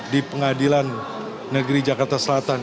di pengadilan negeri jakarta selatan